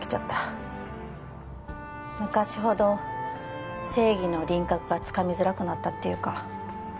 昔ほど正義の輪郭がつかみづらくなったっていうか。